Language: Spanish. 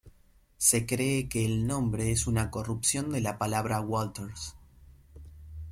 Se cree que el nombre es una corrupción de la palabra "Walters".